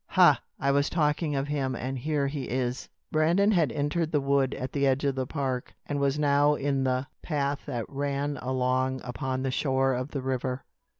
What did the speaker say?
Ha! I was talking of him; and here he is." Brandon had entered the wood at the edge of the park, and was now in the path that ran along upon the shore of the river.